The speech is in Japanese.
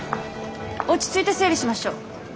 落ち着いて整理しましょう。